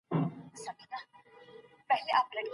د بې وزلو ستونزي حل کړئ.